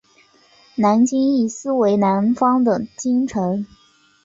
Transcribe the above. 南京意思为南方的京城。